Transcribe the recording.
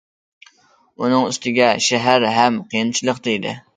ئۇنىڭ ئۈستىگە شەھەر ھەم قىيىنچىلىقتا ئىدى.